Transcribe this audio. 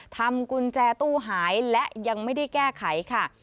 ทำกุญแจตู้หายและยังไม่ได้แก้ไขค่ะ